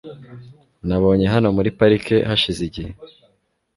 Nabonye hano muri parike hashize igihe.